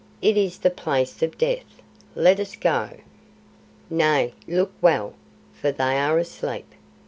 "It is the Place of Death. Let us go." "Nay, look well, for they are asleep.